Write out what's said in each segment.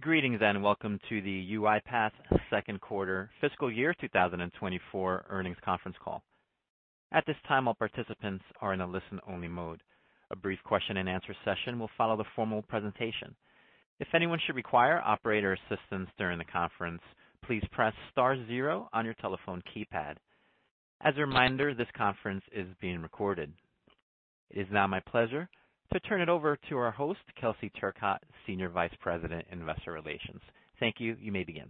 Greetings, and welcome to the UiPath Second Quarter Fiscal Year 2024 Earnings Conference Call. At this time, all participants are in a listen-only mode. A brief question-and-answer session will follow the formal presentation. If anyone should require operator assistance during the conference, please press star zero on your telephone keypad. As a reminder, this conference is being recorded. It is now my pleasure to turn it over to our host, Kelsey Turcotte, Senior Vice President, Investor Relations. Thank you. You may begin.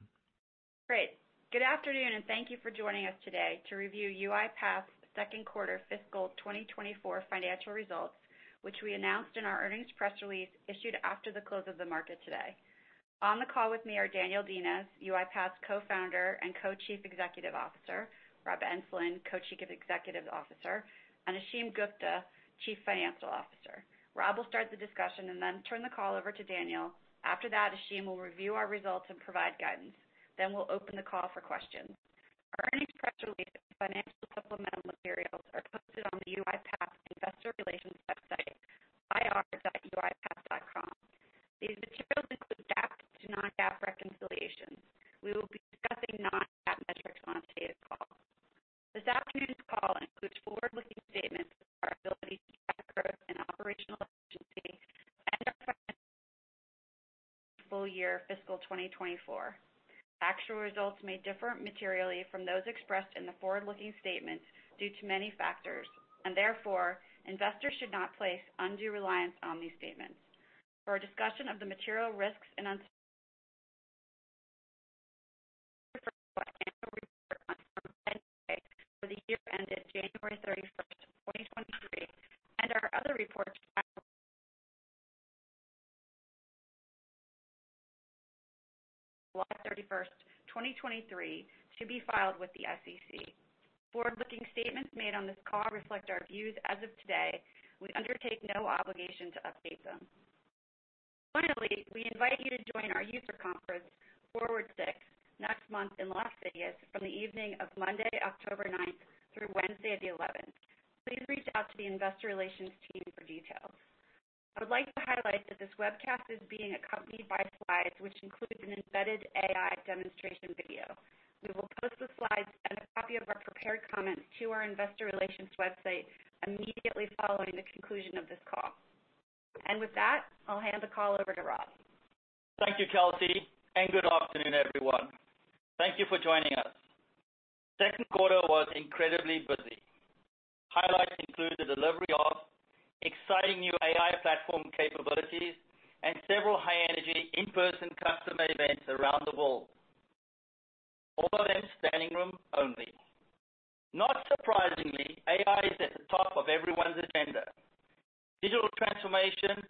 Great! Good afternoon, and thank you for joining us today to review UiPath Second Quarter Fiscal Year 2024 Financial Results, which we announced in our earnings press release, issued after the close of the market today. On the call with me are Daniel Dines, UiPath's Co-founder and Co-Chief Executive Officer; Rob Enslin, Co-Chief Executive Officer; and Ashim Gupta, Chief Financial Officer. Rob will start the discussion and then turn the call over to Daniel. After that, Ashim will review our results and provide guidance. Then we'll open the call for questions. Our earnings press release and financial supplemental materials are posted on the UiPath Investor Relations website, ir.uipath.com. These materials include GAAP to non-GAAP reconciliations. We will be discussing non-GAAP metrics on today's call. This afternoon's call includes forward-looking statements of our ability to drive growth and operational efficiency and our plans for the full year fiscal 2024. Actual results may differ materially from those expressed in the forward-looking statements due to many factors, and therefore, investors should not place undue reliance on these statements. For a discussion of the material risks and uncertainties, refer to our annual report on Form 10-K for the year ended January 31, 2023, and our other reports on July 31, 2023, to be filed with the SEC. Forward-looking statements made on this call reflect our views as of today. We undertake no obligation to update them. Finally, we invite you to join our user conference, FORWARD VI, next month in Las Vegas from the evening of Monday, October 9, through Wednesday, the 11th. Please reach out to the investor relations team for details. I would like to highlight that this webcast is being accompanied by slides, which include an embedded AI demonstration video. We will post the slides and a copy of our prepared comments to our Investor Relations website immediately following the conclusion of this call. With that, I'll hand the call over to Rob. Thank you, Kelsey, and good afternoon, everyone. Thank you for joining us. Second quarter was incredibly busy. Highlights include the delivery of exciting new AI platform capabilities and several high-energy in-person customer events around the world, all of them standing room only. Not surprisingly, AI is at the top of everyone's agenda. Digital transformation,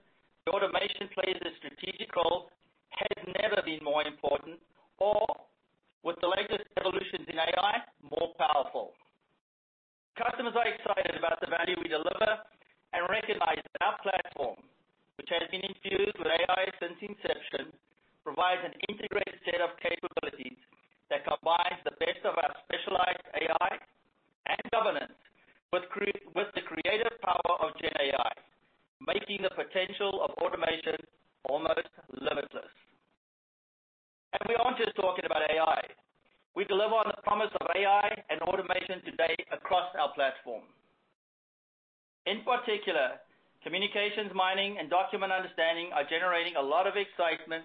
the automation plays a strategic role, has never been more important, or with the latest evolutions in AI, more powerful. Customers are excited about the value we deliver and recognize that our platform, which has been infused with AI since inception, provides an integrated set of capabilities that combines the best of our specialized AI and governance with the creative power of GenAI, making the potential of automation almost limitless. We aren't just talking about AI. We deliver on the promise of AI and automation today across our platform. In particular, Communications Mining and Document Understanding are generating a lot of excitement,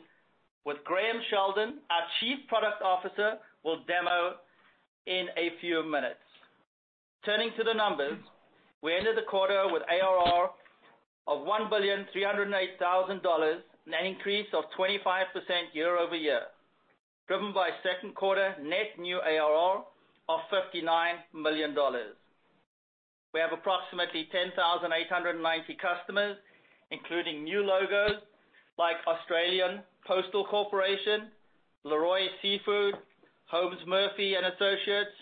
which Graham Sheldon, our Chief Product Officer, will demo in a few minutes. Turning to the numbers, we ended the quarter with ARR of $1.308 billion, an increase of 25% year-over-year, driven by second quarter net new ARR of $59 million. We have approximately 10,890 customers, including new logos like Australian Postal Corporation, Leroy Seafood Group, Holmes Murphy and Associates,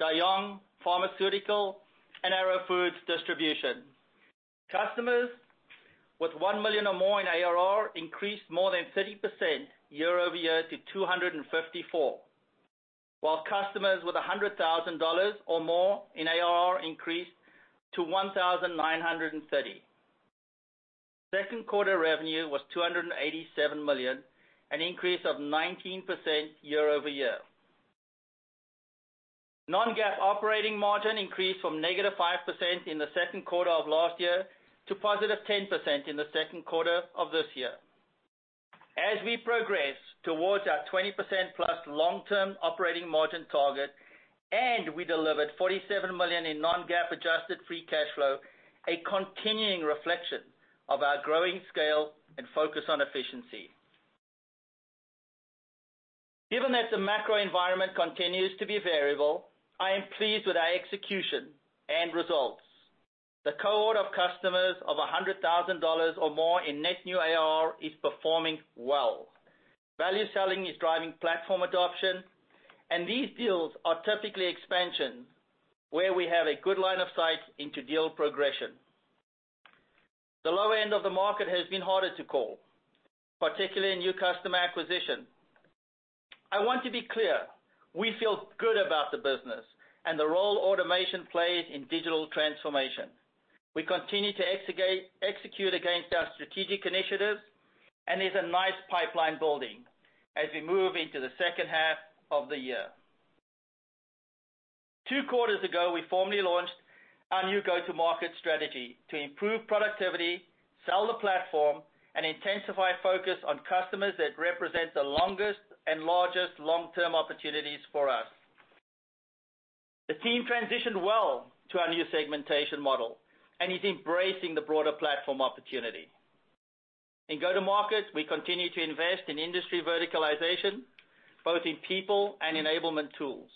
Daewoong Pharmaceutical, and Arrow Food Distribution. Customers with $1 million or more in ARR increased more than 30% year-over-year to 254, while customers with $100,000 or more in ARR increased to 1,930. Second quarter revenue was $287 million, an increase of 19% year-over-year. Non-GAAP operating margin increased from negative 5% in the second quarter of last year to positive 10% in the second quarter of this year. As we progress towards our 20%+ long-term operating margin target, and we delivered $47 million in non-GAAP adjusted free cash flow, a continuing reflection of our growing scale and focus on efficiency. Given that the macro environment continues to be variable, I am pleased with our execution and results. The cohort of customers of $100,000 or more in net new ARR is performing well. Value selling is driving platform adoption, and these deals are typically expansion, where we have a good line of sight into deal progression. The lower end of the market has been harder to call, particularly in new customer acquisition. I want to be clear, we feel good about the business and the role automation plays in digital transformation. We continue to execute against our strategic initiatives, and there's a nice pipeline building as we move into the second half of the year. Two quarters ago, we formally launched our new go-to-market strategy to improve productivity, sell the platform, and intensify focus on customers that represent the longest and largest long-term opportunities for us. The team transitioned well to our new segmentation model and is embracing the broader platform opportunity. In go-to-market, we continue to invest in industry verticalization, both in people and enablement tools,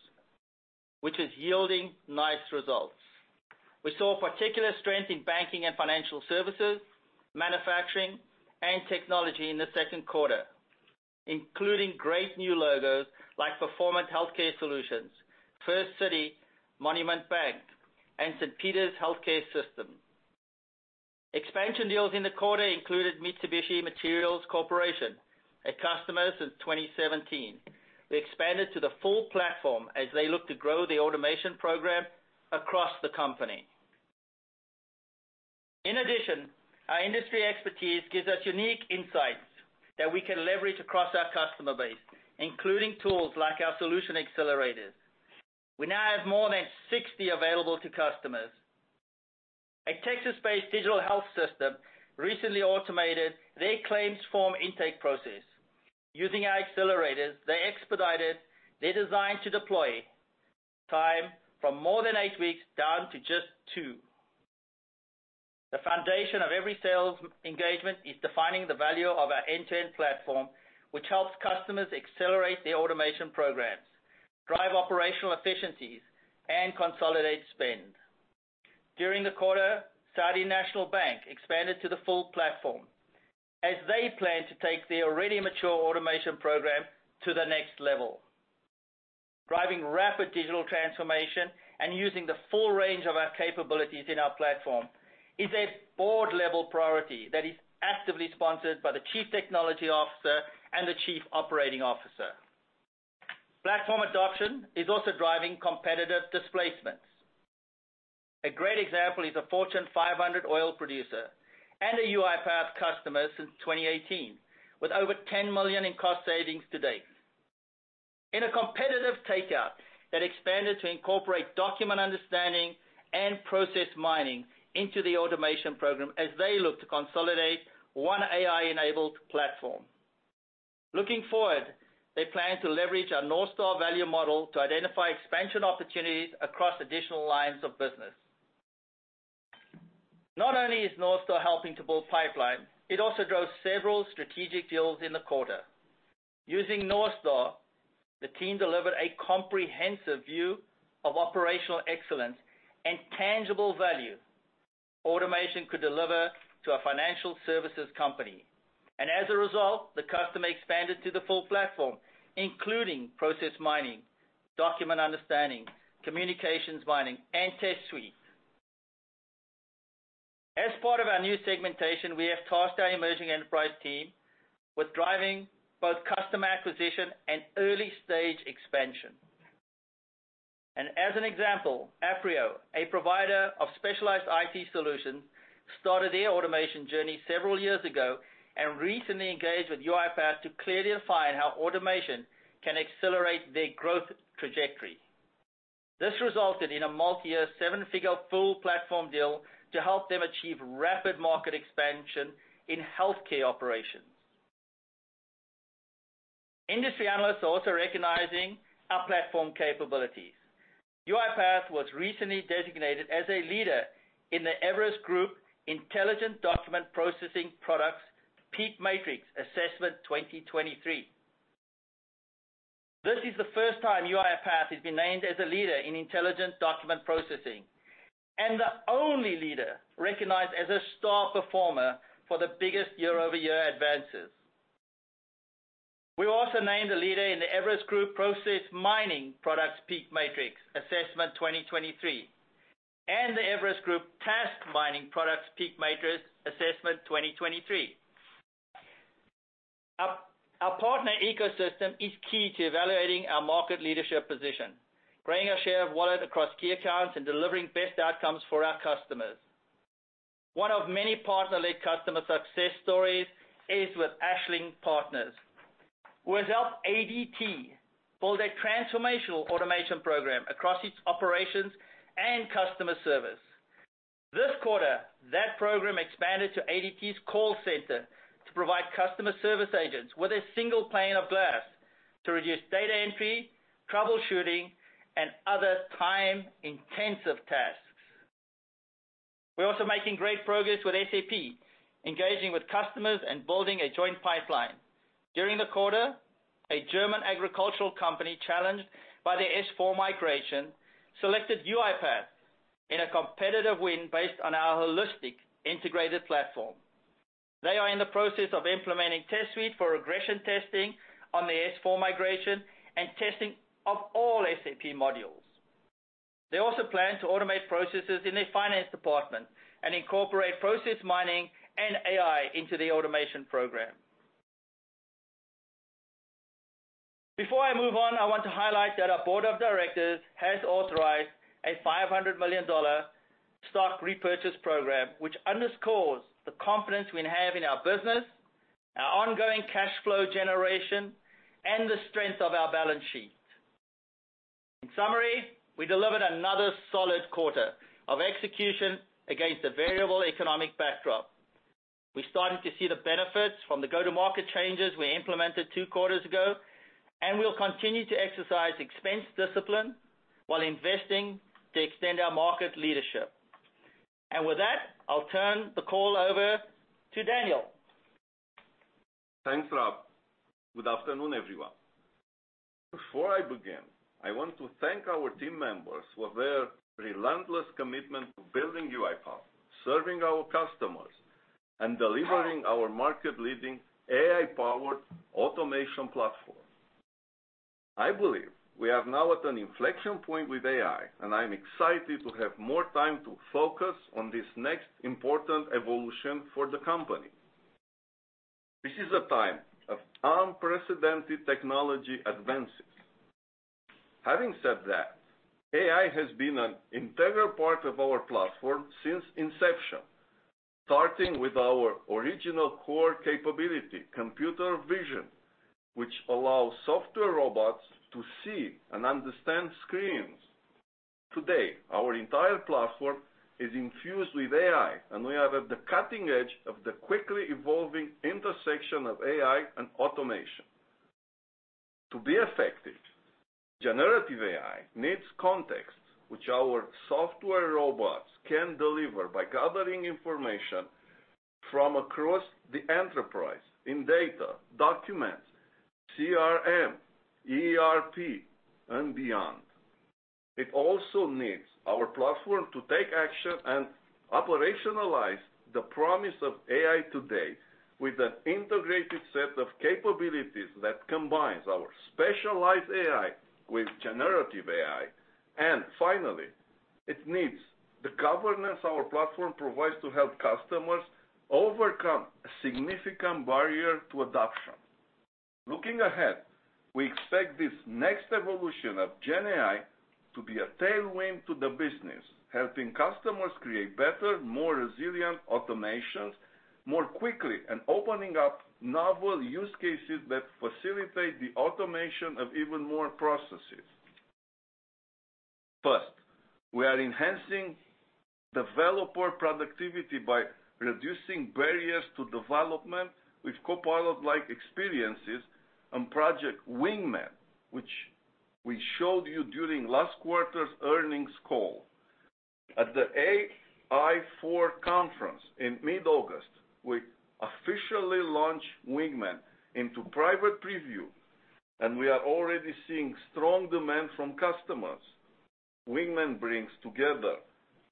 which is yielding nice results. We saw particular strength in banking and financial services, manufacturing, and technology in the second quarter, including great new logos like Performant Healthcare Solutions, First City Monument Bank, and Saint Peter's Healthcare System. Expansion deals in the quarter included Mitsubishi Materials Corporation, a customer since 2017. We expanded to the full platform as they look to grow the automation program across the company. In addition, our industry expertise gives us unique insights that we can leverage across our customer base, including tools like our solution accelerators. We now have more than 60 available to customers. A Texas-based digital health system recently automated their claims form intake process. Using our accelerators, they expedited their design to deploy time from more than eight weeks down to just two. The foundation of every sales engagement is defining the value of our end-to-end platform, which helps customers accelerate their automation programs, drive operational efficiencies, and consolidate spend. During the quarter, Saudi National Bank expanded to the full platform as they plan to take the already mature automation program to the next level. Driving rapid digital transformation and using the full range of our capabilities in our platform is a board-level priority that is actively sponsored by the Chief Technology Officer and the Chief Operating Officer. Platform adoption is also driving competitive displacements. A great example is a Fortune 500 oil producer and a UiPath customer since 2018, with over $10 million in cost savings to date. In a competitive takeout that expanded to incorporate Document Understanding and Process Mining into the automation program as they look to consolidate one AI-enabled platform. Looking forward, they plan to leverage our NorthStar value model to identify expansion opportunities across additional lines of business. Not only is NorthStar helping to build pipeline, it also drove several strategic deals in the quarter. Using NorthStar, the team delivered a comprehensive view of operational excellence and tangible value automation could deliver to a financial services company. As a result, the customer expanded to the full platform, including process mining, document understanding, communications mining, and TestSuite. As part of our new segmentation, we have tasked our emerging enterprise team with driving both customer acquisition and early-stage expansion. As an example, Aprio, a provider of specialized IT solutions, started their automation journey several years ago and recently engaged with UiPath to clearly define how automation can accelerate their growth trajectory. This resulted in a multi-year, seven-figure, full platform deal to help them achieve rapid market expansion in healthcare operations. Industry analysts are also recognizing our platform capabilities. UiPath was recently designated as a leader in the Everest Group Intelligent Document Processing Products PEAK Matrix Assessment 2023. This is the first time UiPath has been named as a leader in intelligent document processing, and the only leader recognized as a star performer for the biggest year-over-year advances. We were also named a leader in the Everest Group Process Mining Products PEAK Matrix Assessment 2023, and the Everest Group Task Mining Products PEAK Matrix Assessment 2023. Our partner ecosystem is key to evaluating our market leadership position, growing our share of wallet across key accounts, and delivering best outcomes for our customers. One of many partner-led customer success stories is with Ashling Partners, who has helped ADT build a transformational automation program across its operations and customer service. This quarter, that program expanded to ADT's call center to provide customer service agents with a single pane of glass to reduce data entry, troubleshooting, and other time-intensive tasks. We're also making great progress with SAP, engaging with customers and building a joint pipeline. During the quarter, a German Agricultural Company, challenged by their S/4 migration, selected UiPath in a competitive win based on our holistic, integrated platform. They are in the process of implementing TestSuite for regression testing on the S/4 migration and testing of all SAP modules. They also plan to automate processes in their finance department and incorporate Process Mining and AI into the automation program. Before I move on, I want to highlight that our board of directors has authorized a $500 million stock repurchase program, which underscores the confidence we have in our business, our ongoing cash flow generation, and the strength of our balance sheet. In summary, we delivered another solid quarter of execution against a variable economic backdrop. We're starting to see the benefits from the go-to-market changes we implemented two quarters ago, and we'll continue to exercise expense discipline while investing to extend our market leadership. With that, I'll turn the call over to Daniel. Thanks, Rob. Good afternoon, everyone. Before I begin, I want to thank our team members for their relentless commitment to building UiPath, serving our customers, and delivering our market-leading AI-powered automation platform. I believe we are now at an inflection point with AI, and I'm excited to have more time to focus on this next important evolution for the company. This is a time of unprecedented technology advances. Having said that, AI has been an integral part of our platform since inception, starting with our original core capability, computer vision, which allows software robots to see and understand screens. Today, our entire platform is infused with AI, and we are at the cutting edge of the quickly evolving intersection of AI and automation. To be effective, generative AI needs context, which our software robots can deliver by gathering information from across the enterprise in data, documents, CRM, ERP, and beyond. It also needs our platform to take action and operationalize the promise of AI today with an integrated set of capabilities that combines our specialized AI with generative AI. And finally, it needs the governance our platform provides to help customers overcome a significant barrier to adoption. Looking ahead, we expect this next evolution of GenAI to be a tailwind to the business, helping customers create better, more resilient automations more quickly, and opening up novel use cases that facilitate the automation of even more processes. First, we are enhancing developer productivity by reducing barriers to development with copilot-like experiences and Project Wingman, which we showed you during last quarter's earnings call. At the Ai4 conference in mid-August, we officially launched Wingman into private preview, and we are already seeing strong demand from customers. Wingman brings together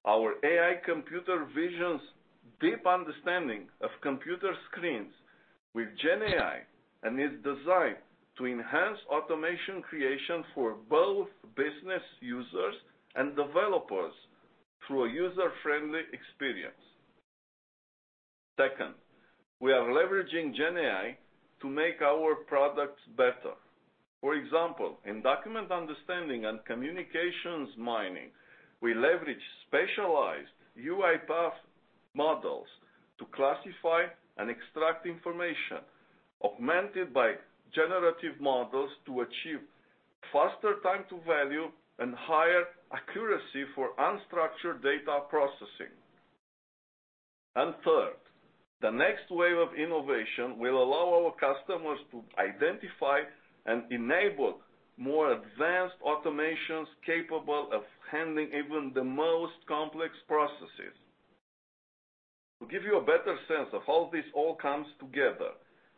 our AI computer vision's deep understanding of computer screens with GenAI, and is designed to enhance automation creation for both business users and developers through a user-friendly experience. Second, we are leveraging GenAI to make our products better. For example, in document understanding and communications mining, we leverage specialized UiPath models to classify and extract information, augmented by generative models to achieve faster time to value and higher accuracy for unstructured data processing. And third, the next wave of innovation will allow our customers to identify and enable more advanced automations capable of handling even the most complex processes. To give you a better sense of how this all comes together,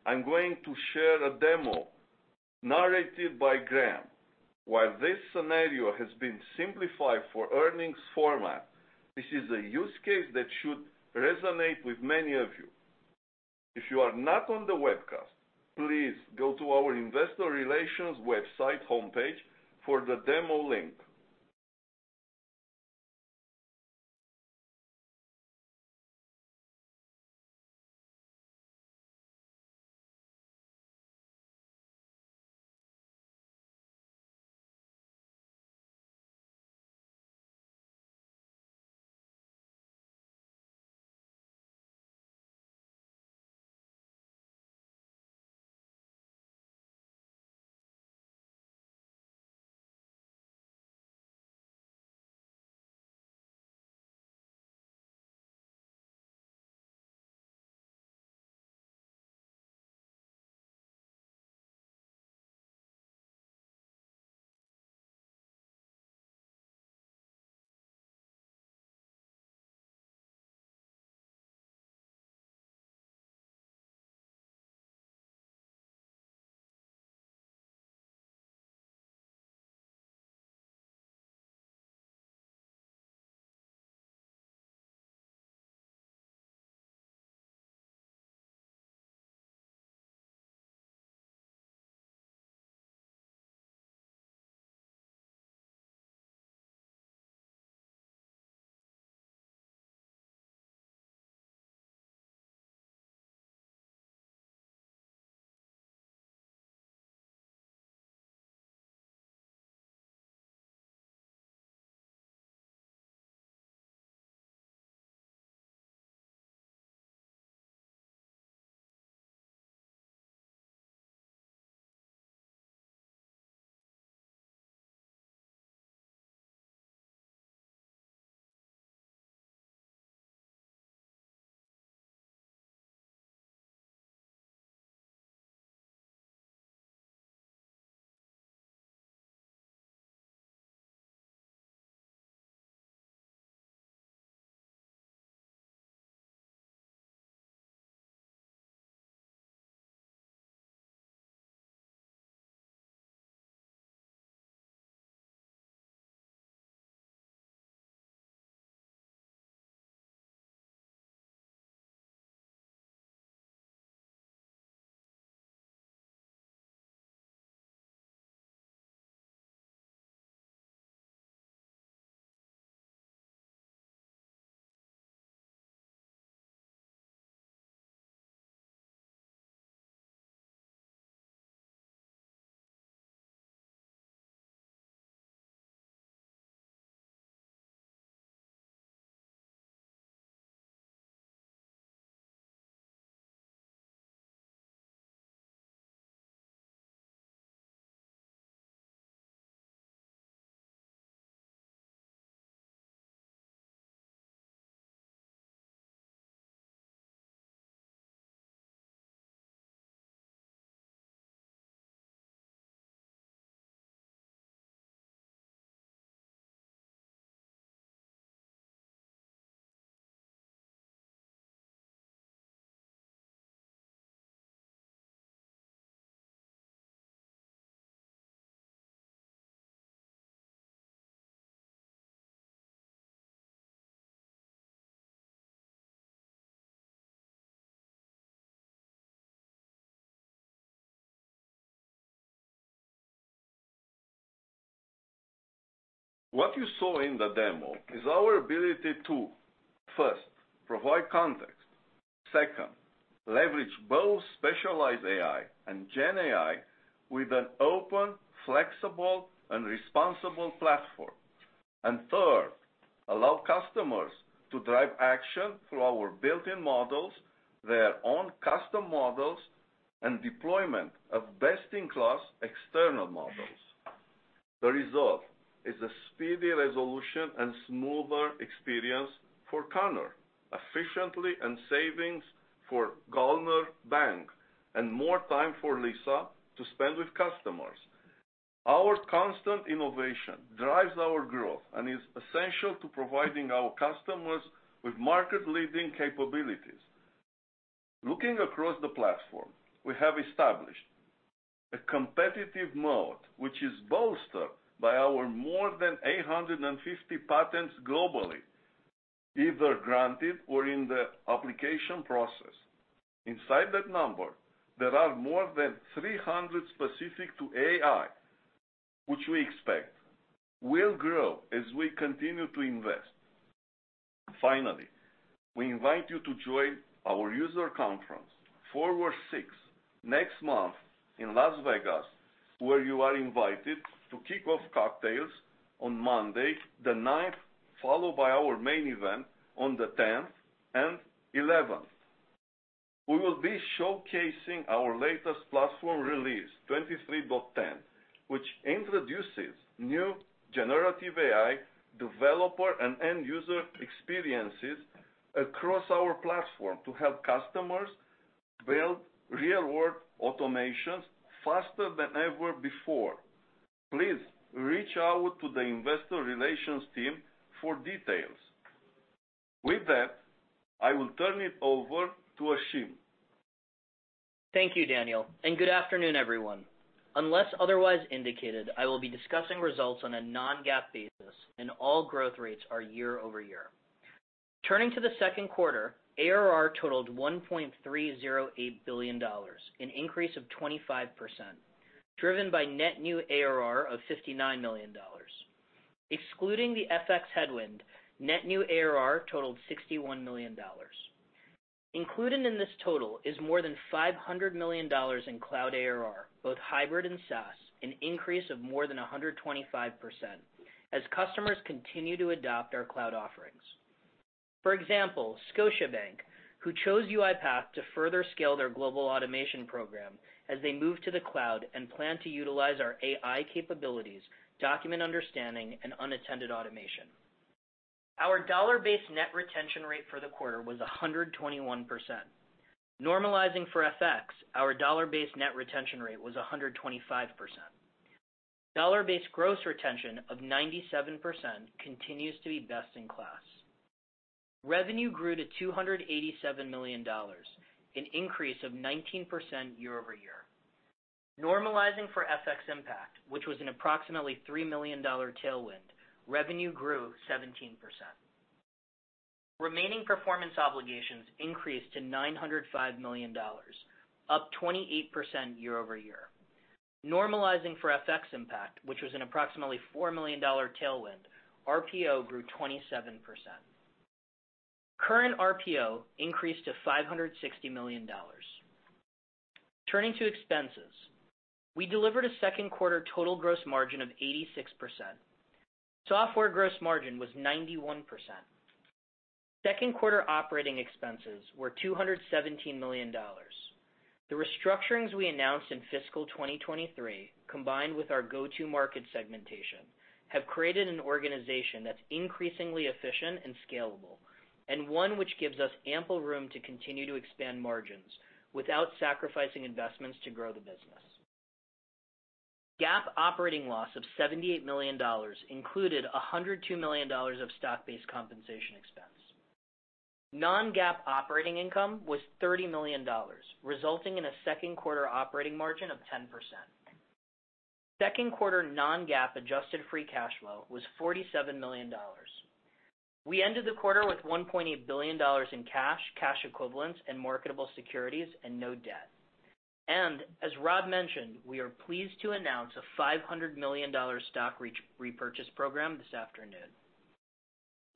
I'm going to share a demo narrated by Graham. While this scenario has been simplified for earnings format, this is a use case that should resonate with many of you. If you are not on the webcast, please go to our investor relations website homepage for the demo link. What you saw in the demo is our ability to, first, provide context. Second, leverage both specialized AI and GenAI with an open, flexible, and responsible platform. And third, allow customers to drive action through our built-in models, their own custom models, and deployment of best-in-class external models. The result is a speedy resolution and smoother experience for Connor, efficiency and savings for Gallner Bank, and more time for Lisa to spend with customers. Our constant innovation drives our growth and is essential to providing our customers with market-leading capabilities. Looking across the platform, we have established a competitive moat, which is bolstered by our more than 850 patents globally, either granted or in the application process. Inside that number, there are more than 300 specific to AI, which we expect will grow as we continue to invest. Finally, we invite you to join our user conference, FORWARD VI, next month in Las Vegas, where you are invited to kick off cocktails on Monday the 9th followed by our main event on the 10th and 11th. We will be showcasing our latest platform release, 23.10, which introduces new generative AI developer and end-user experiences across our platform to help customers build real-world automations faster than ever before. Please reach out to the investor relations team for details. With that, I will turn it over to Ashim. Thank you, Daniel, and good afternoon, everyone. Unless otherwise indicated, I will be discussing results on a non-GAAP basis, and all growth rates are year-over-year. Turning to the second quarter, ARR totaled $1.308 billion, an increase of 25%, driven by net new ARR of $59 million. Excluding the FX headwind, net new ARR totaled $61 million. Included in this total is more than $500 million in cloud ARR, both hybrid and SaaS, an increase of more than 125% as customers continue to adopt our cloud offerings. For example, Scotiabank, who chose UiPath to further scale their global automation program as they move to the cloud and plan to utilize our AI capabilities, Document Understanding, and Unattended Automation. Our dollar-based net retention rate for the quarter was 121%. Normalizing for FX, our dollar-based net retention rate was 125%. Dollar-based gross retention of 97% continues to be best in class. Revenue grew to $287 million, an increase of 19% year-over-year. Normalizing for FX impact, which was an approximately $3 million tailwind, revenue grew 17%. Remaining performance obligations increased to $905 million, up 28% year-over-year. Normalizing for FX impact, which was an approximately $4 million tailwind, RPO grew 27%. Current RPO increased to $560 million. Turning to expenses, we delivered a second quarter total gross margin of 86%. Software gross margin was 91%. Second quarter operating expenses were $217 million. The restructurings we announced in fiscal 2023, combined with our go-to-market segmentation, have created an organization that's increasingly efficient and scalable, and one which gives us ample room to continue to expand margins without sacrificing investments to grow the business. GAAP operating loss of $78 million included $102 million of stock-based compensation expense. Non-GAAP operating income was $30 million, resulting in a second quarter operating margin of 10%. Second quarter non-GAAP adjusted free cash flow was $47 million. We ended the quarter with $1.8 billion in cash, cash equivalents, and marketable securities, and no debt. And as Rob mentioned, we are pleased to announce a $500 million stock repurchase program this afternoon.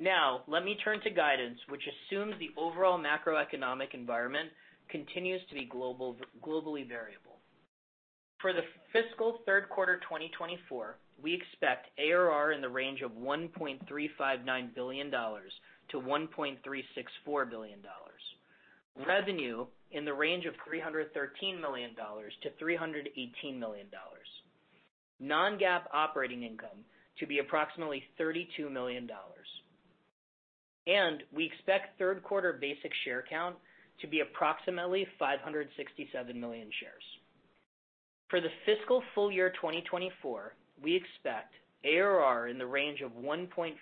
Now, let me turn to guidance, which assumes the overall macroeconomic environment continues to be globally variable. For the fiscal third quarter 2024, we expect ARR in the range of $1.359 billion-$1.364 billion. Revenue in the range of $313 million-$318 million. Non-GAAP operating income to be approximately $32 million. And we expect third quarter basic share count to be approximately 567 million shares. For the fiscal full year 2024, we expect ARR in the range of $1.432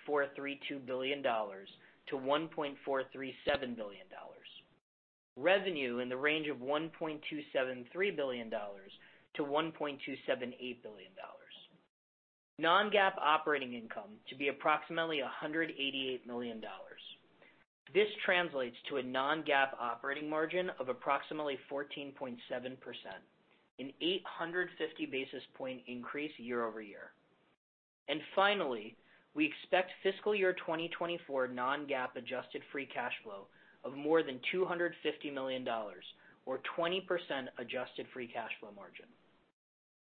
billion-$1.437 billion. Revenue in the range of $1.273 billion-$1.278 billion. Non-GAAP operating income to be approximately $188 million. This translates to a Non-GAAP operating margin of approximately 14.7%, an 850 basis points increase year-over-year. Finally, we expect fiscal year 2024 Non-GAAP adjusted free cash flow of more than $250 million or 20% adjusted free cash flow margin.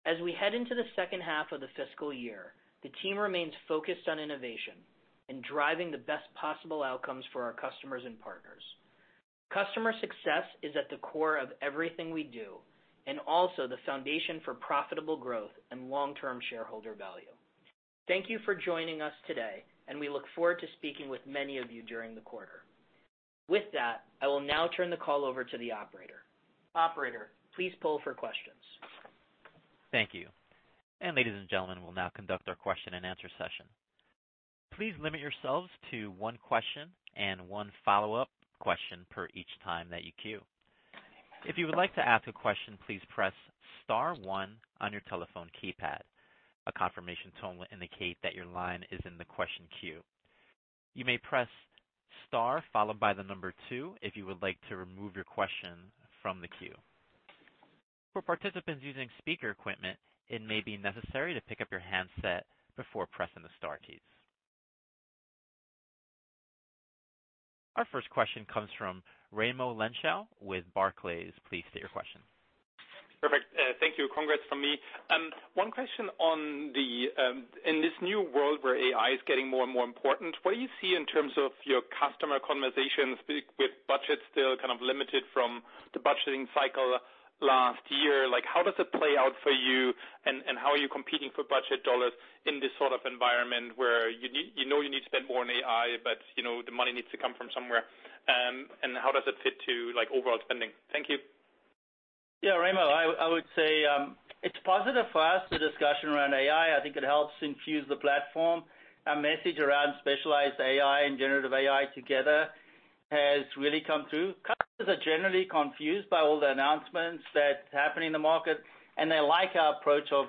As we head into the second half of the fiscal year, the team remains focused on innovation and driving the best possible outcomes for our customers and partners. Customer success is at the core of everything we do, and also the foundation for profitable growth and long-term shareholder value. Thank you for joining us today, and we look forward to speaking with many of you during the quarter. With that, I will now turn the call over to the operator. Operator, please poll for questions. Thank you. Ladies and gentlemen, we'll now conduct our question and answer session. Please limit yourselves to one question and one follow-up question per each time that you queue. If you would like to ask a question, please press star one on your telephone keypad. A confirmation tone will indicate that your line is in the question queue. You may press star, followed by the number two, if you would like to remove your question from the queue. For participants using speaker equipment, it may be necessary to pick up your handset before pressing the star keys. Our first question comes from Raimo Lenschow with Barclays. Please state your question. Perfect. Thank you. Congrats from me. One question on the. In this new world where AI is getting more and more important, what do you see in terms of your customer conversations with budget still kind of limited from the budgeting cycle last year? Like, how does it play out for you, and how are you competing for budget dollars in this sort of environment where you know you need to spend more on AI, but you know, the money needs to come from somewhere? And how does it fit to, like, overall spending? Thank you. Yeah, Raimo, I would say it's positive for us, the discussion around AI. I think it helps infuse the platform. Our message around specialized AI and generative AI together has really come through. Customers are generally confused by all the announcements that happen in the market, and they like our approach of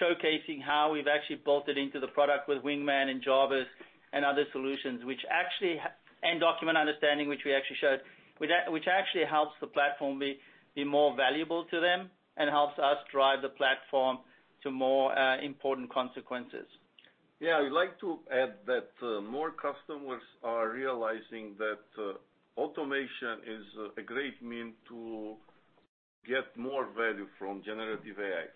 showcasing how we've actually bolted into the product with Wingman and Jarvis and other solutions, which actually and Document Understanding, which we actually showed, which actually helps the platform be more valuable to them and helps us drive the platform to more important consequences. Yeah, I'd like to add that, more customers are realizing that, automation is a great means to get more value from generative AI.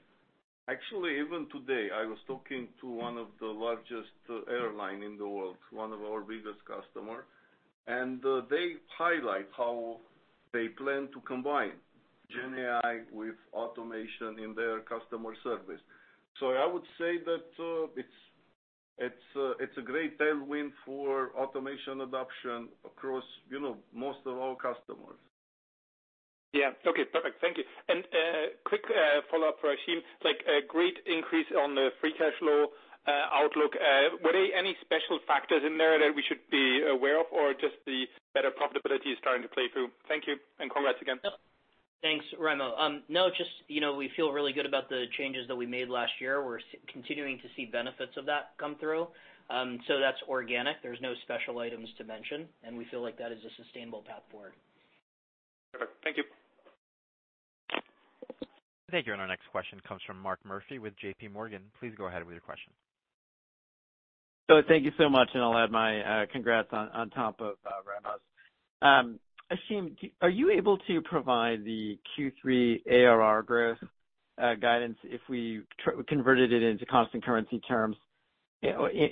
Actually, even today, I was talking to one of the largest airline in the world, one of our biggest customer, and, they highlight how they plan to combine gen AI with automation in their customer service. So I would say that, it's a great tailwind for automation adoption across, you know, most of our customers. Yeah. Okay, perfect. Thank you. And, quick, follow-up for Ashim. Like, a great increase on the free cash flow outlook. Were there any special factors in there that we should be aware of, or just the better profitability is starting to play through? Thank you, and congrats again. Thanks, Raimo. No, just, you know, we feel really good about the changes that we made last year. We're continuing to see benefits of that come through. So that's organic. There's no special items to mention, and we feel like that is a sustainable path forward. Perfect. Thank you. Thank you. Our next question comes from Mark Murphy with J.P. Morgan. Please go ahead with your question. So thank you so much, and I'll add my congrats on top of Raimo's. Ashim, are you able to provide the Q3 ARR growth guidance if we converted it into constant currency terms? You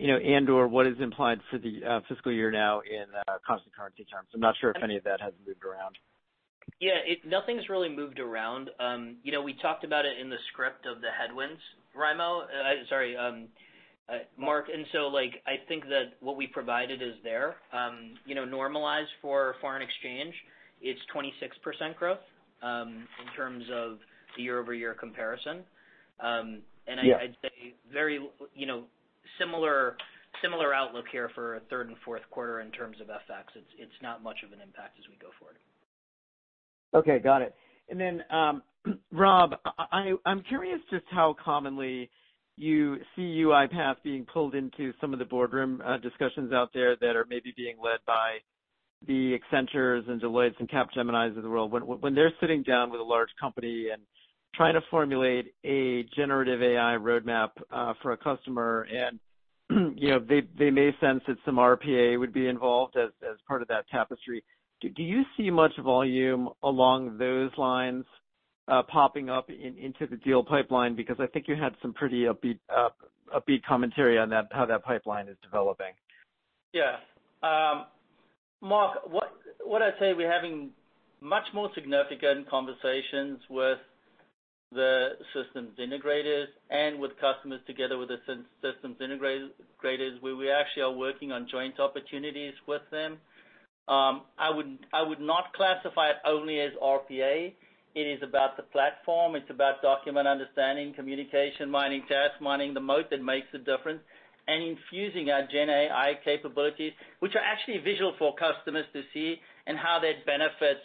know, and/or what is implied for the fiscal year now in constant currency terms. I'm not sure if any of that has moved around. Yeah, nothing's really moved around. You know, we talked about it in the script of the headwinds, Raimo. Sorry, Mark. And so, like, I think that what we provided is there. You know, normalized for foreign exchange, it's 26% growth in terms of the year-over-year comparison. And I- Yeah I'd say very, you know, similar, similar outlook here for a third and fourth quarter in terms of FX. It's, it's not much of an impact as we go forward. Okay, got it. Then, Rob, I'm curious just how commonly you see UiPath being pulled into some of the boardroom discussions out there that are maybe being led by the Accenture, Deloitte, and Capgemini of the world. When they're sitting down with a large company and trying to formulate a generative AI roadmap for a customer, and, you know, they may sense that some RPA would be involved as part of that tapestry. Do you see much volume along those lines popping up into the deal pipeline? Because I think you had some pretty upbeat commentary on that, how that pipeline is developing. Yeah. Mark, what I'd say, we're having much more significant conversations with the systems integrators and with customers together with the systems integrators, where we actually are working on joint opportunities with them. I would not classify it only as RPA. It is about the platform, it's about Document Understanding, Communications Mining, Task Mining, the moat that makes a difference, and infusing our GenAI capabilities, which are actually visual for customers to see and how that benefits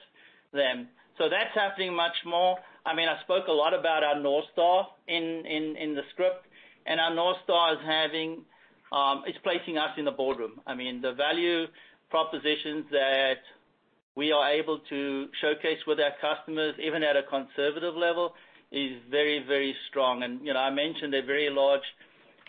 them. So that's happening much more. I mean, I spoke a lot about our NorthStar in the script, and our NorthStar is having. It's placing us in the boardroom. I mean, the value propositions that we are able to showcase with our customers, even at a conservative level, is very, very strong. And, you know, I mentioned a very large,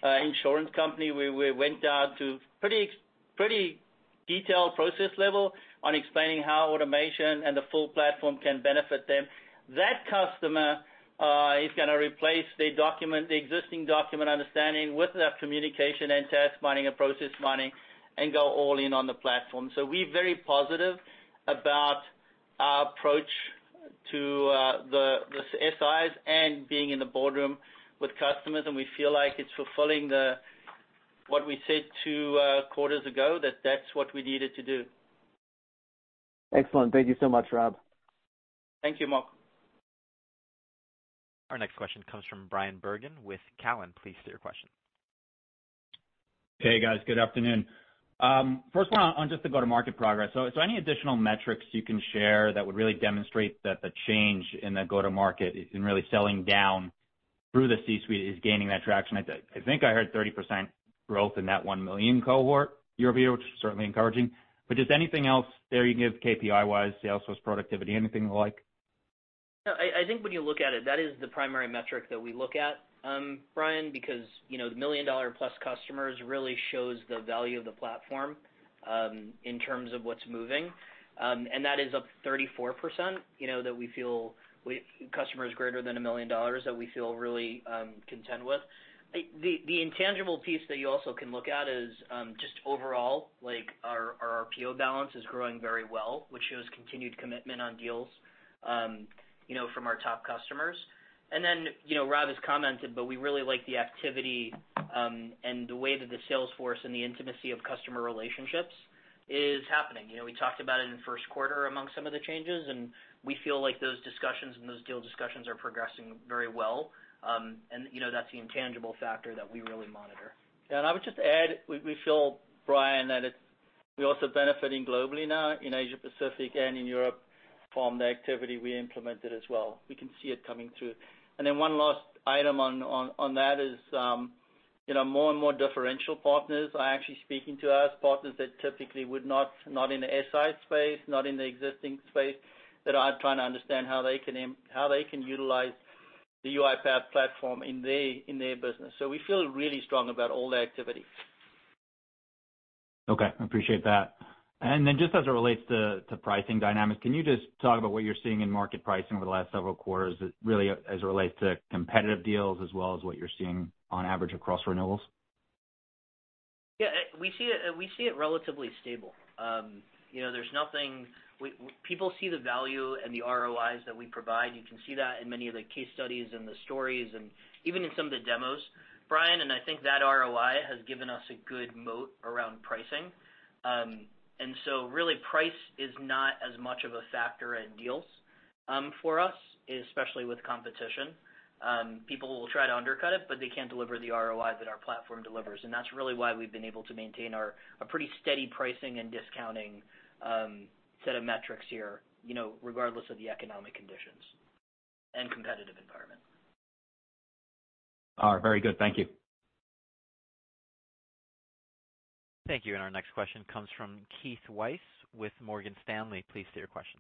insurance company where we went down to pretty, pretty detailed process level on explaining how automation and the full platform can benefit them. That customer, is gonna replace the document, the existing Document Understanding with their Communications Mining and Task Mining and Process Mining, and go all in on the platform. So we're very positive about our approach to, the SIs and being in the boardroom with customers, and we feel like it's fulfilling the, what we said two, quarters ago, that that's what we needed to do. Excellent. Thank you so much, Rob. Thank you, Mark. Our next question comes from Bryan Bergin with Cowen. Please state your question. Hey, guys. Good afternoon. First one on just the go-to-market progress. So, any additional metrics you can share that would really demonstrate that the change in the go-to-market is in really selling down through the C-suite is gaining that traction? I think I heard 30% growth in that 1 million cohort year-over-year, which is certainly encouraging. But just anything else there you can give KPI-wise, sales force productivity, anything like? No, I think when you look at it, that is the primary metric that we look at, Bryan, because, you know, the $1 million-plus customers really shows the value of the platform, in terms of what's moving. And that is up 34%, you know, customers greater than $1 million, that we feel really content with. The intangible piece that you also can look at is just overall, like, our RPO balance is growing very well, which shows continued commitment on deals, you know, from our top customers. And then, you know, Rob has commented, but we really like the activity, and the way that the sales force and the intimacy of customer relationships is happening. You know, we talked about it in the first quarter among some of the changes, and we feel like those discussions and those deal discussions are progressing very well. You know, that's the intangible factor that we really monitor. And I would just add, we feel, Bryan, that it's. We're also benefiting globally now in Asia Pacific and in Europe from the activity we implemented as well. We can see it coming through. And then one last item on that is, you know, more and more differential partners are actually speaking to us, partners that typically would not in the SI space, not in the existing space, that are trying to understand how they can utilize the UiPath platform in their business. So we feel really strong about all the activity. Okay, appreciate that. And then just as it relates to, to pricing dynamics, can you just talk about what you're seeing in market pricing over the last several quarters, really as it relates to competitive deals as well as what you're seeing on average across renewals? Yeah, we see it relatively stable. You know, there's nothing. People see the value and the ROIs that we provide. You can see that in many of the case studies and the stories and even in some of the demos, Bryan, and I think that ROI has given us a good moat around pricing. And so really, price is not as much of a factor in deals for us, especially with competition. People will try to undercut it, but they can't deliver the ROI that our platform delivers. And that's really why we've been able to maintain a pretty steady pricing and discounting set of metrics here, you know, regardless of the economic conditions and competitive environment. All right. Very good. Thank you. Thank you. And our next question comes from Keith Weiss with Morgan Stanley. Please state your question.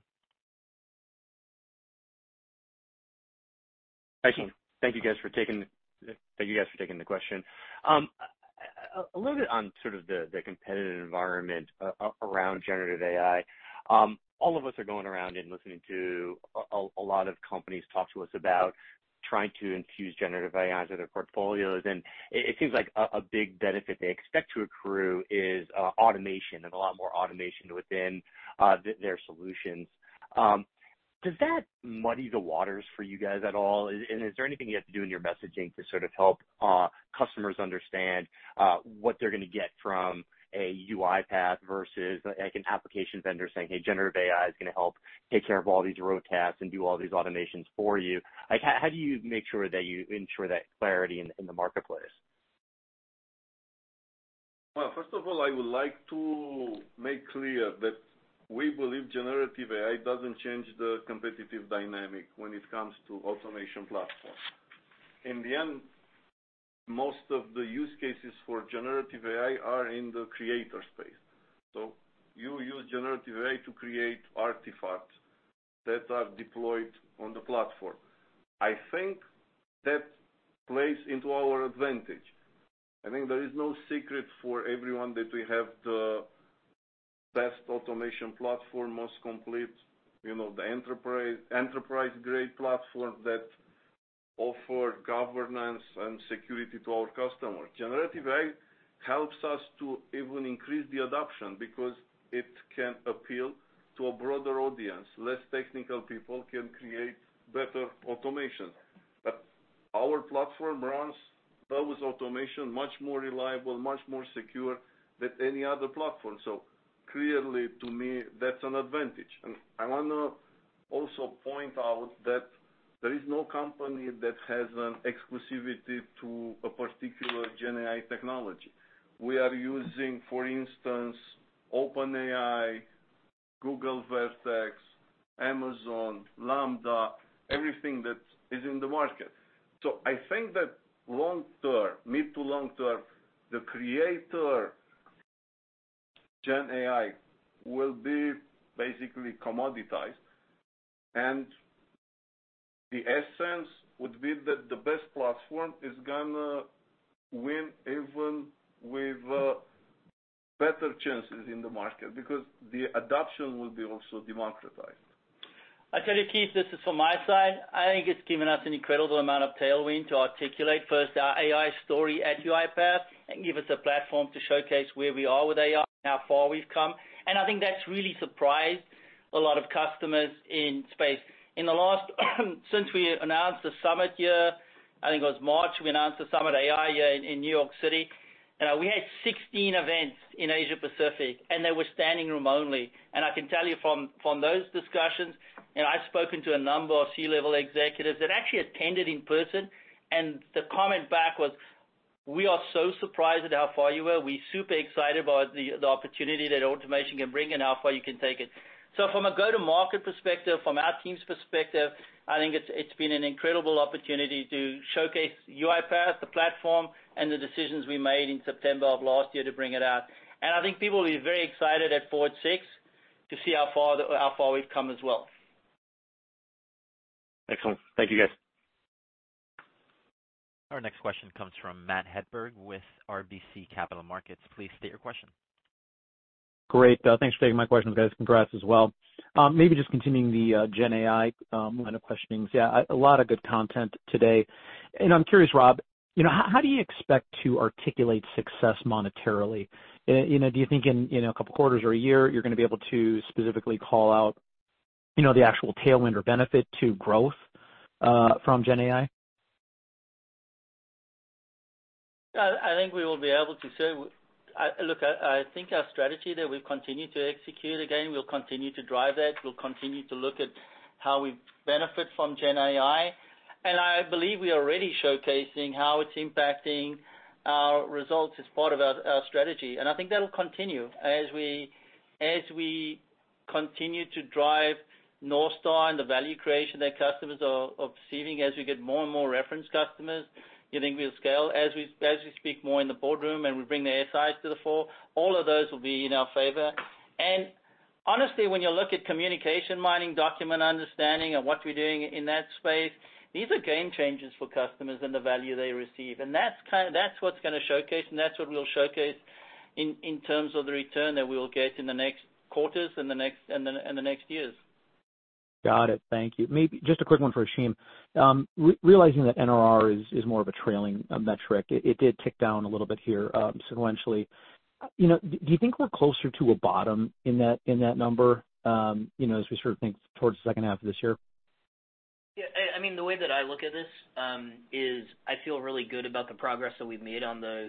Hi, team. Thank you, guys, for taking the question. A little bit on sort of the competitive environment around generative AI. All of us are going around and listening to a lot of companies talk to us about trying to infuse generative AI into their portfolios, and it seems like a big benefit they expect to accrue is automation and a lot more automation within their solutions. Does that muddy the waters for you guys at all? And is there anything you have to do in your messaging to sort of help customers understand what they're gonna get from a UiPath versus, like, an application vendor saying, "Hey, Generative AI is gonna help take care of all these rote tasks and do all these automations for you." Like, how do you make sure that you ensure that clarity in the marketplace? Well, first of all, I would like to make clear that we believe Generative AI doesn't change the competitive dynamic when it comes to automation platform. In the end, most of the use cases for Generative AI are in the creator space. So you use Generative AI to create artifacts that are deployed on the platform. I think that plays into our advantage. I think there is no secret for everyone that we have the best automation platform, most complete, you know, the enterprise, enterprise-grade platform that offer governance and security to our customers. Generative AI helps us to even increase the adoption because it can appeal to a broader audience. Less technical people can create better automation. But our platform runs those automation much more reliable, much more secure than any other platform. So clearly, to me, that's an advantage. I wanna also point out that there is no company that has an exclusivity to a particular GenAI technology. We are using, for instance, OpenAI, Google Vertex AI, Amazon Lambda, everything that is in the market. So I think that long term, mid to long term, the creator GenAI will be basically commoditized, and the essence would be that the best platform is gonna win even with better chances in the market, because the adoption will be also democratized. I'll tell you, Keith, this is from my side. I think it's given us an incredible amount of tailwind to articulate first our AI story at UiPath and give us a platform to showcase where we are with AI and how far we've come. And I think that's really surprised a lot of customers in space. In the last, since we announced the summit year, I think it was March, we announced the summit AI year in New York City, we had 16 events in Asia Pacific, and they were standing room only. And I can tell you from, from those discussions, you know, I've spoken to a number of C-level executives that actually attended in person, and the comment back was: We are so surprised at how far you were. We're super excited about the, the opportunity that automation can bring and how far you can take it. So from a go-to-market perspective, from our team's perspective, I think it's, it's been an incredible opportunity to showcase UiPath, the platform, and the decisions we made in September of last year to bring it out. And I think people will be very excited at FORWARD VI to see how far we've come as well. Excellent. Thank you, guys. Our next question comes from Matt Hedberg, with RBC Capital Markets. Please state your question. Great. Thanks for taking my questions, guys. Congrats as well. Maybe just continuing the GenAI line of questionings. Yeah, a lot of good content today. And I'm curious, Rob, you know, how do you expect to articulate success monetarily? You know, do you think in a couple quarters or a year, you're gonna be able to specifically call out the actual tailwind or benefit to growth from GenAI? I think we will be able to say... Look, I think our strategy that we continue to execute, again, we'll continue to drive that. We'll continue to look at how we benefit from GenAI, and I believe we are already showcasing how it's impacting our results as part of our strategy. And I think that'll continue. As we continue to drive NorthStar and the value creation that customers are perceiving, as we get more and more reference customers, I think we'll scale. As we speak more in the boardroom and we bring the SIs to the fore, all of those will be in our favor. And honestly, when you look at Communications Mining, Document Understanding, and what we're doing in that space, these are game changers for customers and the value they receive. That's what's gonna showcase, and that's what we'll showcase in terms of the return that we'll get in the next quarters and the next years. Got it. Thank you. Maybe just a quick one for Ashim. Realizing that NRR is more of a trailing metric, it did tick down a little bit here sequentially. You know, do you think we're closer to a bottom in that number, you know, as we sort of think towards the second half of this year? Yeah, I mean, the way that I look at this is I feel really good about the progress that we've made on the,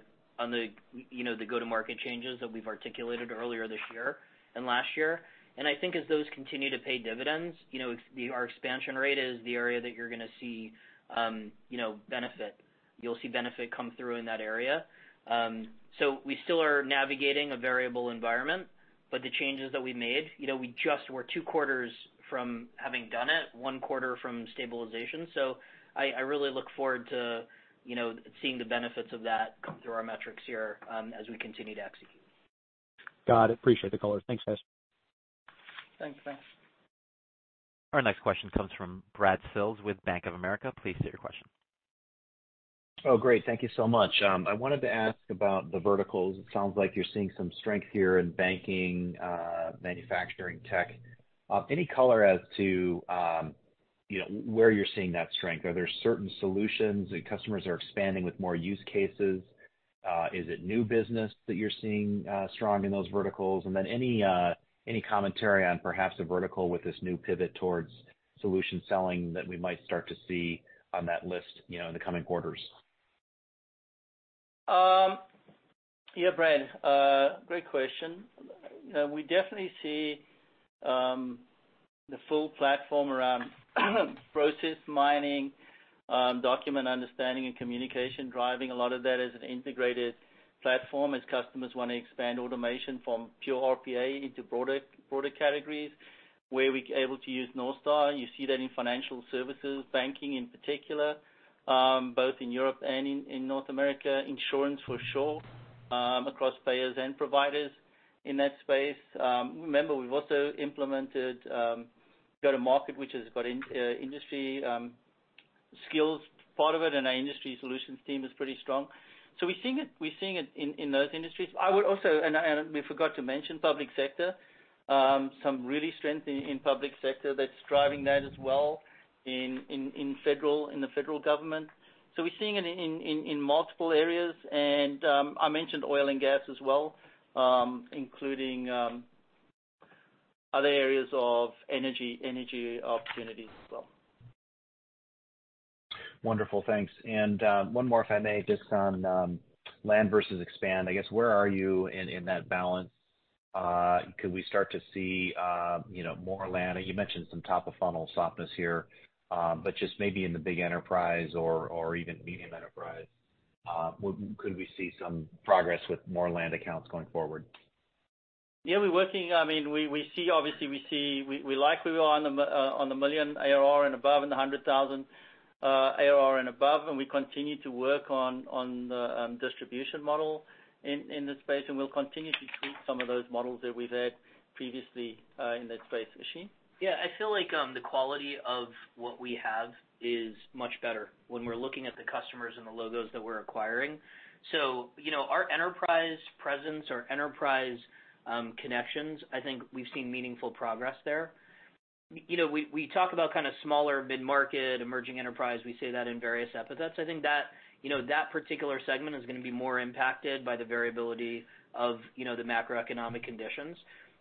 you know, the go-to-market changes that we've articulated earlier this year and last year. And I think as those continue to pay dividends, you know, it's the our expansion rate is the area that you're gonna see, you know, benefit. You'll see benefit come through in that area. So we still are navigating a variable environment, but the changes that we made, you know, we just were two quarters from having done it, one quarter from stabilization. So I really look forward to, you know, seeing the benefits of that through our metrics here as we continue to execute. Got it. Appreciate the color. Thanks, guys. Thanks. Thanks. Our next question comes from Brad Sills with Bank of America. Please state your question. Oh, great. Thank you so much. I wanted to ask about the verticals. It sounds like you're seeing some strength here in banking, manufacturing, tech. Any color as to, you know, where you're seeing that strength? Are there certain solutions that customers are expanding with more use cases? Is it new business that you're seeing strong in those verticals? And then any commentary on perhaps a vertical with this new pivot towards solution selling that we might start to see on that list, you know, in the coming quarters? Yeah, Brad, great question. We definitely see the full platform around Process Mining, Document Understanding and Communications Mining, driving a lot of that as an integrated platform, as customers want to expand automation from pure RPA into broader, broader categories, where we're able to use NorthStar. You see that in financial services, banking in particular, both in Europe and in North America. Insurance, for sure, across payers and providers in that space. Remember, we've also implemented go-to-market, which has got industry skills part of it, and our industry solutions team is pretty strong. So we're seeing it, we're seeing it in those industries. I would also and, and we forgot to mention public sector. Some real strength in public sector that's driving that as well in federal, in the federal government. So we're seeing it in multiple areas. And I mentioned oil and gas as well, including other areas of energy opportunities as well. Wonderful. Thanks. One more, if I may, just on land versus expand. I guess, where are you in that balance? Could we start to see, you know, more land? You mentioned some top-of-funnel softness here, but just maybe in the big enterprise or even medium enterprise, could we see some progress with more land accounts going forward? Yeah, we're working. I mean, we see, obviously, we see we like where we are on the $1 million ARR and above, and the $100,000 ARR and above, and we continue to work on the distribution model in this space, and we'll continue to tweak some of those models that we've had previously in that space. Ashim? Yeah, I feel like the quality of what we have is much better when we're looking at the customers and the logos that we're acquiring. So, you know, our enterprise presence or enterprise connections, I think we've seen meaningful progress there. You know, we talk about kind of smaller mid-market, emerging enterprise. We say that in various epithets. I think that, you know, that particular segment is going to be more impacted by the variability of the macroeconomic conditions.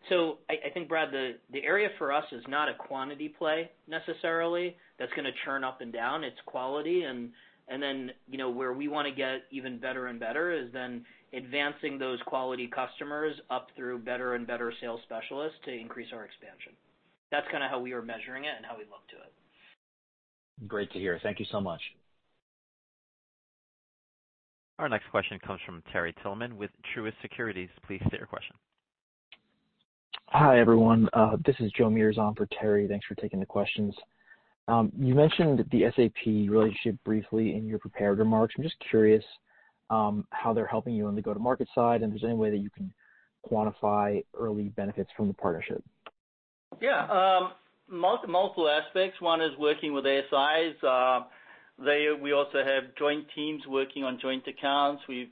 So I think, Brad, the area for us is not a quantity play necessarily that's going to churn up and down, it's quality. And then, you know, where we want to get even better and better is then advancing those quality customers up through better and better sales specialists to increase our expansion. That's kind of how we are measuring it and how we look to it. Great to hear. Thank you so much. Our next question comes from Terry Tillman with Truist Securities. Please state your question. Hi, everyone. This is Joe Meares for Terry. Thanks for taking the questions. You mentioned the SAP relationship briefly in your prepared remarks. I'm just curious, how they're helping you on the go-to-market side, and if there's any way that you can quantify early benefits from the partnership? Yeah, multiple aspects. One is working with the SIs. We also have joint teams working on joint accounts. We've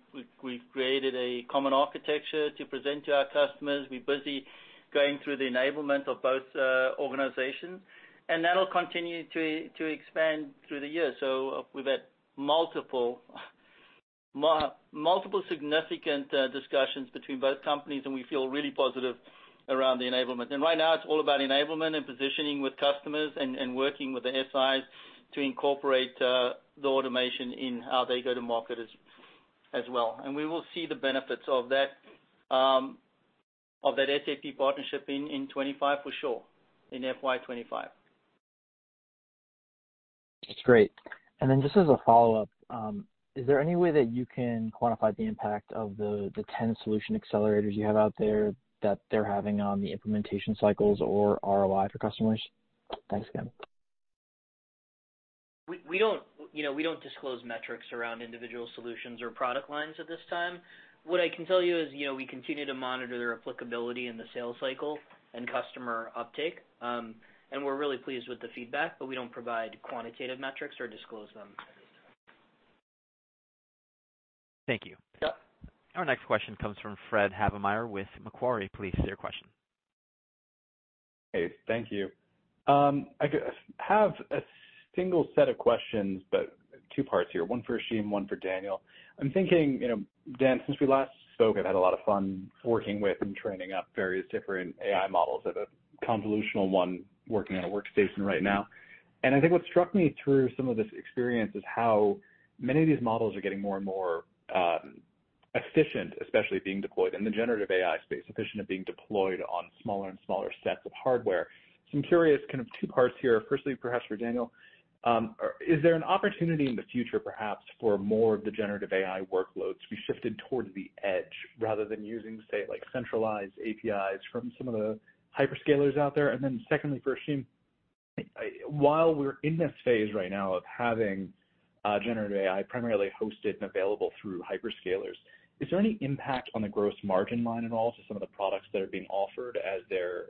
created a common architecture to present to our customers. We're busy going through the enablement of both organizations, and that'll continue to expand through the year. So we've had multiple significant discussions between both companies, and we feel really positive around the enablement. And right now, it's all about enablement and positioning with customers and working with the SIs to incorporate the automation in how they go to market as well. And we will see the benefits of that SAP partnership in 2025, for sure, in FY 2025. That's great. And then just as a follow-up, is there any way that you can quantify the impact of the 10 solution accelerators you have out there, that they're having on the implementation cycles or ROI for customers? Thanks again. We don't, you know, we don't disclose metrics around individual solutions or product lines at this time. What I can tell you is, you know, we continue to monitor their applicability in the sales cycle and customer uptake. And we're really pleased with the feedback, but we don't provide quantitative metrics or disclose them at this time. Thank you. Yep. Our next question comes from Fred Havemeyer with Macquarie. Please state your question. Hey, thank you. I have a single set of questions, but two parts here. One for Ashim, one for Daniel. I'm thinking, you know, Dan, since we last spoke, I've had a lot of fun working with and training up various different AI models. I have a convolutional one working on a workstation right now. And I think what struck me through some of this experience is how many of these models are getting more and more efficient, especially being deployed in the generative AI space, efficient at being deployed on smaller and smaller sets of hardware. So I'm curious, kind of two parts here. Firstly, perhaps for Daniel, is there an opportunity in the future, perhaps, for more of the generative AI workloads to be shifted towards the edge rather than using, say, like, centralized APIs from some of the hyperscalers out there? And then secondly, for Ashim, while we're in this phase right now of having generative AI primarily hosted and available through hyperscalers, is there any impact on the gross margin line at all to some of the products that are being offered as they're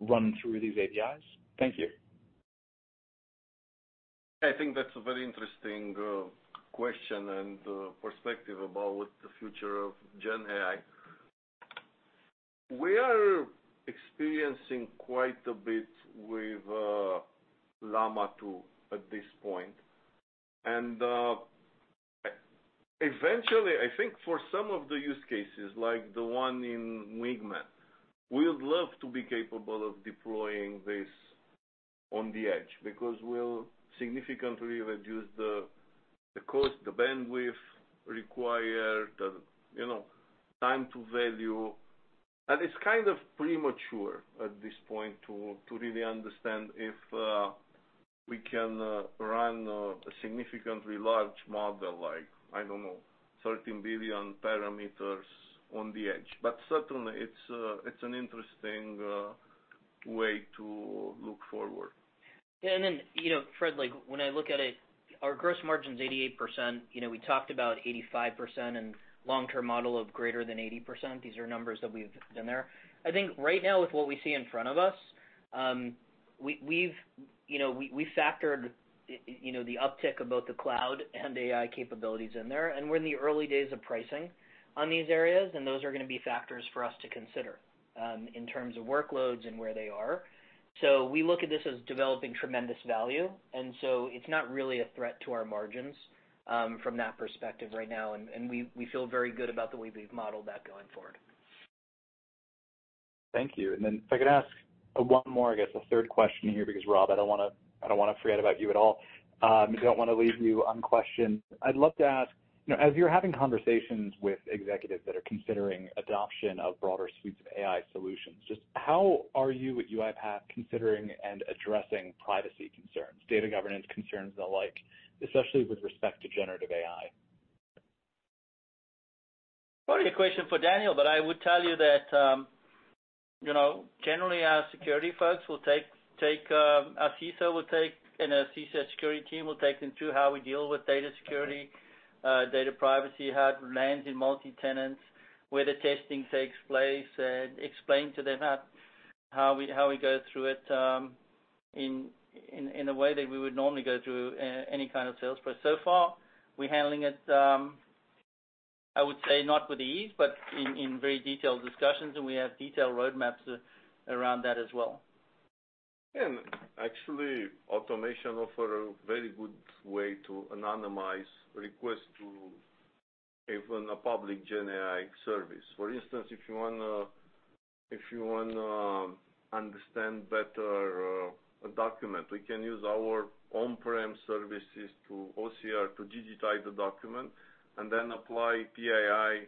run through these APIs? Thank you. I think that's a very interesting question and perspective about the future of GenAI. We are experiencing quite a bit with Llama 2 at this point, and eventually, I think for some of the use cases, like the one in Wingman, we would love to be capable of deploying this on the edge, because we'll significantly reduce the cost, the bandwidth required, you know, time to value. And it's kind of premature at this point to really understand if we can run a significantly large model like, I don't know, 13 billion parameters on the edge. But certainly, it's an interesting way to look forward. Yeah, and then, you know, Fred, like, when I look at it, our gross margin is 88%. You know, we talked about 85% and long-term model of greater than 80%. These are numbers that we've been there. I think right now, with what we see in front of us, we've, you know, we factored, you know, the uptick of both the cloud and AI capabilities in there, and we're in the early days of pricing on these areas, and those are going to be factors for us to consider, in terms of workloads and where they are. So we look at this as developing tremendous value, and so it's not really a threat to our margins, from that perspective right now, and we feel very good about the way we've modeled that going forward. Thank you. And then if I could ask one more, I guess a third question here, because, Rob, I don't want to, I don't want to forget about you at all. I don't want to leave you unquestioned. I'd love to ask, you know, as you're having conversations with executives that are considering adoption of broader suites of AI solutions, just how are you at UiPath considering and addressing privacy concerns, data governance concerns, and the like, especially with respect to generative AI? Probably a question for Daniel, but I would tell you that, you know, generally our security folks will take our CISO will take, and our CISO security team will take them through how we deal with data security, data privacy, how it lands in multi-tenant, where the testing takes place, and explain to them how we go through it in a way that we would normally go through any kind of sales process. So far, we're handling it, I would say, not with ease, but in very detailed discussions, and we have detailed roadmaps around that as well. Actually, automation offers a very good way to anonymize requests to even a public GenAI service. For instance, if you wanna, if you want to understand better, a document, we can use our on-prem services to OCR, to digitize the document and then apply AI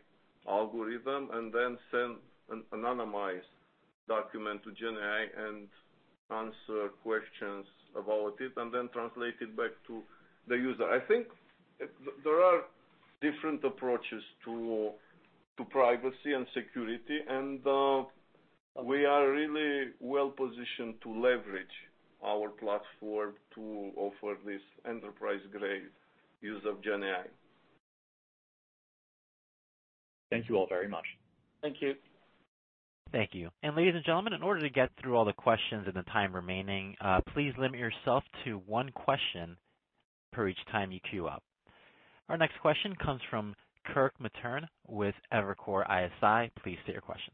algorithm and then send an anonymized document to GenAI and answer questions about it, and then translate it back to the user. I think there are different approaches to privacy and security, and we are really well positioned to leverage our platform to offer this enterprise-grade use of GenAI. Thank you all very much. Thank you. Thank you. Ladies and gentlemen, in order to get through all the questions in the time remaining, please limit yourself to one question per each time you queue up. Our next question comes from Kirk Materne with Evercore ISI. Please state your question.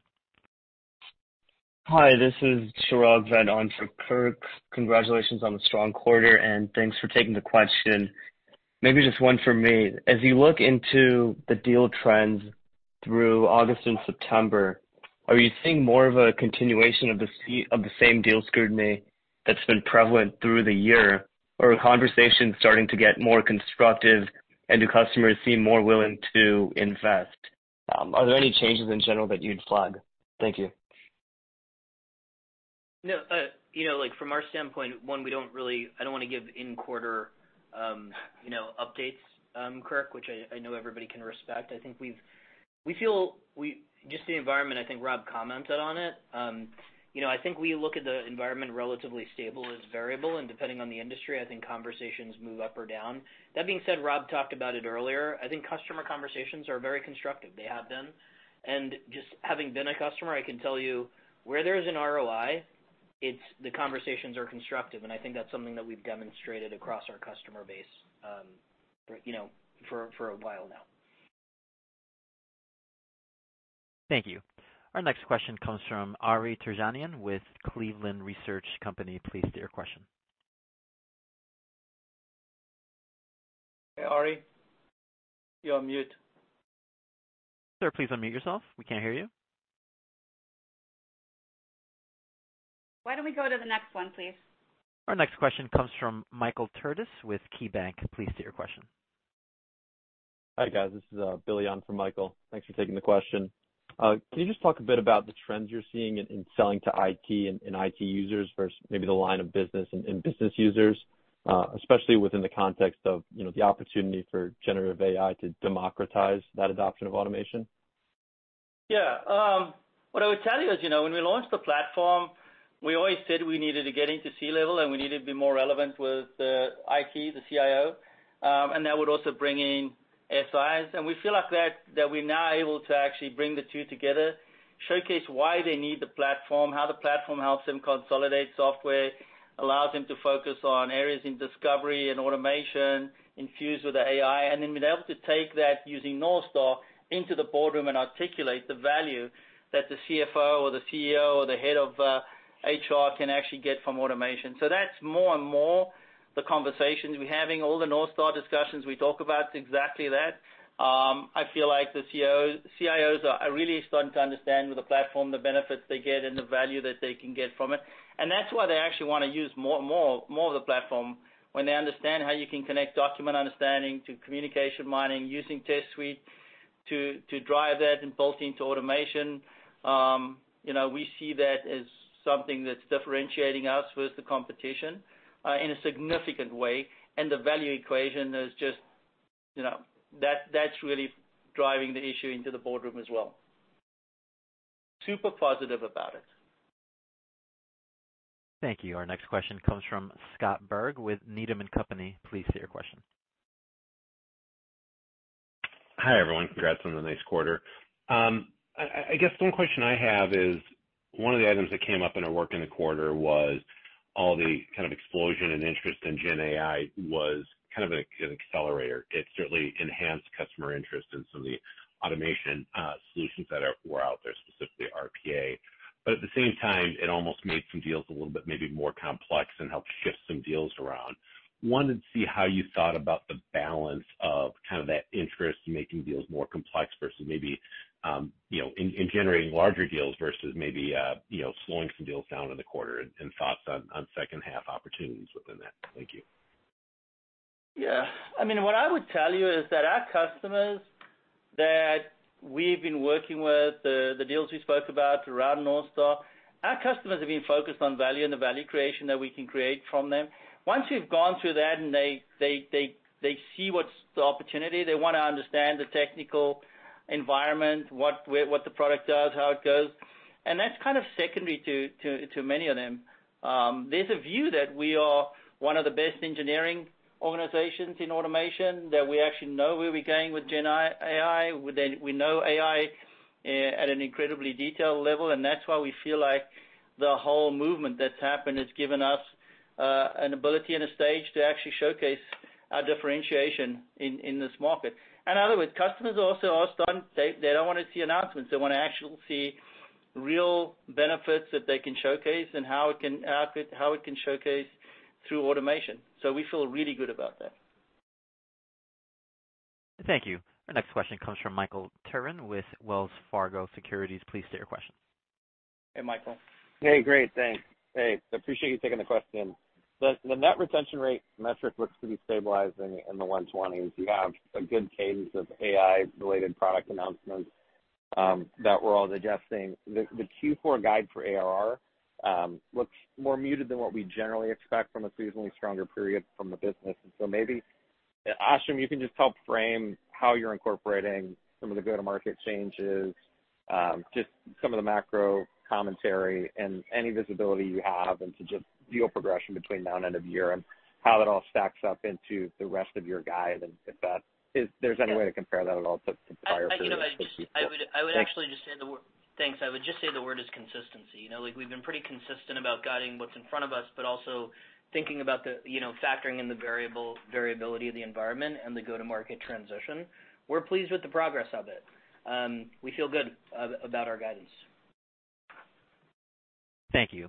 Hi, this is Chirag Ved on for Kirk Materne. Congratulations on the strong quarter, and thanks for taking the question. Maybe just one for me. As you look into the deal trends through August and September, are you seeing more of a continuation of the same deal scrutiny that's been prevalent through the year? Or are conversations starting to get more constructive, and do customers seem more willing to invest? Are there any changes in general that you'd flag? Thank you. No, you know, like, from our standpoint, I don't want to give in-quarter, you know, updates, Kirk, which I know everybody can respect. I think we feel just the environment, I think Rob commented on it. You know, I think we look at the environment relatively stable, it's variable, and depending on the industry, I think conversations move up or down. That being said, Rob talked about it earlier. I think customer conversations are very constructive. They have been. And just having been a customer, I can tell you where there is an ROI, it's the conversations are constructive, and I think that's something that we've demonstrated across our customer base, you know, for a while now. Thank you. Our next question comes from Ari Terjanian with Cleveland Research Company. Please state your question. Hey, Ari, you're on mute. Sir, please unmute yourself. We can't hear you. Why don't we go to the next one, please? Our next question comes from Michael Turits with KeyBank. Please state your question. Hi, guys. This is Billy on for Michael. Thanks for taking the question. Can you just talk a bit about the trends you're seeing in selling to IT and IT users versus maybe the line of business and business users, especially within the context of, you know, the opportunity for Generative AI to democratize that adoption of automation? Yeah. What I would tell you is, you know, when we launched the platform, we always said we needed to get into C-level, and we needed to be more relevant with the IT, the CIO. And that would also bring in SIs. And we feel like that, that we're now able to actually bring the two together, showcase why they need the platform, how the platform helps them consolidate software, allows them to focus on areas in discovery and automation infused with the AI, and then be able to take that using Northstar into the boardroom and articulate the value that the CFO or the CEO or the head of HR can actually get from automation. So that's more and more the conversations we're having. All the Northstar discussions we talk about is exactly that. I feel like the CIOs are really starting to understand, with the platform, the benefits they get and the value that they can get from it. And that's why they actually wanna use more, more, more of the platform. When they understand how you can connect Document Understanding to Communications Mining, using TestSuite to drive that and bolt into automation, you know, we see that as something that's differentiating us with the competition in a significant way. And the value equation is just, you know, that, that's really driving the issue into the boardroom as well. Super positive about it. Thank you. Our next question comes from Scott Berg with Needham & Company. Please state your question. Hi, everyone. Congrats on the nice quarter. I guess one question I have is, one of the items that came up in our work in the quarter was all the kind of explosion and interest in GenAI was kind of an accelerator. It certainly enhanced customer interest in some of the automation solutions that were out there, specifically RPA. But at the same time, it almost made some deals a little bit maybe more complex and helped shift some deals around. Wanted to see how you thought about the balance of kind of that interest in making deals more complex versus maybe you know in generating larger deals versus maybe you know slowing some deals down in the quarter, and thoughts on second half opportunities within that. Thank you. Yeah. I mean, what I would tell you is that our customers that we've been working with, the deals we spoke about around NorthStar, our customers have been focused on value and the value creation that we can create from them. Once we've gone through that, and they see what's the opportunity, they wanna understand the technical environment, what we—what the product does, how it goes, and that's kind of secondary to, to, to many of them. There's a view that we are one of the best engineering organizations in automation, that we actually know where we're going with GenAI, AI, that we know AI at an incredibly detailed level, and that's why we feel like the whole movement that's happened has given us an ability and a stage to actually showcase our differentiation in, in this market. In other words, customers are also starting. They don't wanna see announcements. They wanna actually see real benefits that they can showcase and how it can showcase through automation. So we feel really good about that. Thank you. Our next question comes from Michael Turrin with Wells Fargo Securities. Please state your question. Hey, Michael. Hey, great. Thanks. Hey, I appreciate you taking the question. The net retention rate metric looks to be stabilizing in the 120s. You have a good cadence of AI-related product announcements that we're all digesting. The Q4 guide for ARR looks more muted than what we generally expect from a seasonally stronger period from the business. And so maybe, Ashim, you can just help frame how you're incorporating some of the go-to-market changes, just some of the macro commentary and any visibility you have into just deal progression between now and end of year, and how that all stacks up into the rest of your guide, and if that... If there's any way to compare that at all to the prior periods. Yeah. You know, I would actually just say the word. Thanks. I would just say the word is consistency. You know, like, we've been pretty consistent about guiding what's in front of us, but also thinking about the, you know, factoring in the variability of the environment and the go-to-market transition. We're pleased with the progress of it. We feel good about our guidance. Thank you.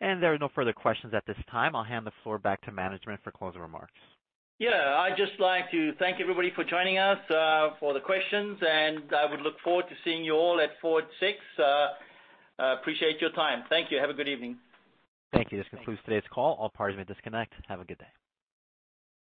There are no further questions at this time. I'll hand the floor back to management for closing remarks. Yeah, I'd just like to thank everybody for joining us for the questions, and I would look forward to seeing you all at FORWARD VI. Appreciate your time. Thank you. Have a good evening. Thank you. This concludes today's call. All parties may disconnect. Have a good day.